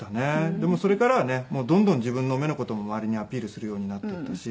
でもうそれからはねどんどん自分の目の事も周りにアピールするようになっていったし。